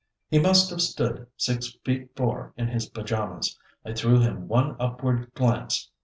He must have stood six feet four in his pajamas. I threw him one upward glance.